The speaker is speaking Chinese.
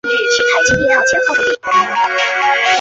整体像樽形。